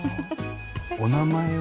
お名前は？